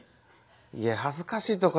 いや恥ずかしいとか。